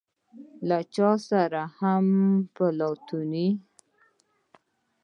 له چا سره هم بل لاټينونه.